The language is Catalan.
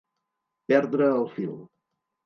Perdre el fil.